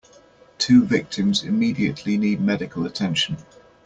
Two victims immediately need medical attention.